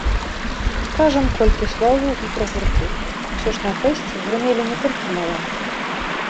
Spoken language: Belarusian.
Скажам колькі словаў і пра гурты, усё ж на фэсце грымелі не толькі маланкі.